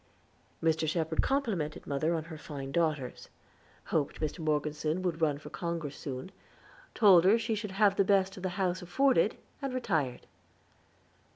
Mr. Shepherd complimented mother on her fine daughters; hoped Mr. Morgeson would run for Congress soon told her she should have the best the house afforded, and retired.